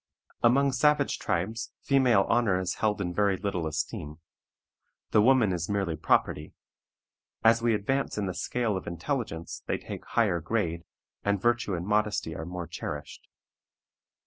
Among savage tribes female honor is held in very little esteem; the woman is merely property. As we advance in the scale of intelligence they take higher grade, and virtue and modesty are more cherished.